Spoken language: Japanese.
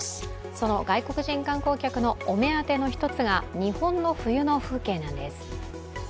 その外国人観光客のお目当ての一つが日本の冬の風景なんです。